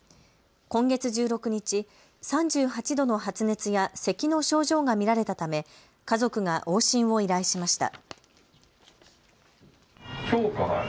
今月１６日、３８度の発熱やせきの症状が見られたため家族が往診を依頼しました。